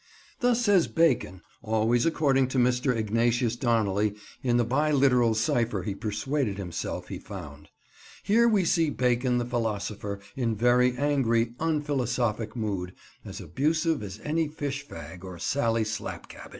Thus says Bacon; always according to Mr. Ignatius Donnelly, in the bi literal cipher he persuaded himself he found. Here we see Bacon the philosopher, in very angry, unphilosophic mood, as abusive as any fish fag or Sally Slapcabbage.